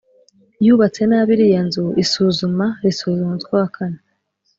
yubatse nabi iriya nzu. Isuzuma risoza umutwe wa kane